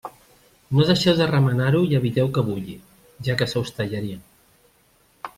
No deixeu de remenar-ho i eviteu que bulli, ja que se us tallaria.